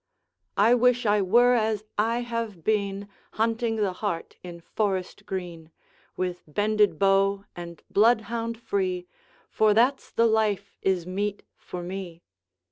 I wish I were as I have been, Hunting the hart in forest green, With bended bow and bloodhound free, For that's the life is meet for me.